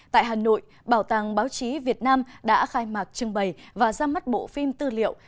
tại hà nội bảo tàng báo chí việt nam đã khai mạc trưng bày và ra mắt bộ phim tư liệu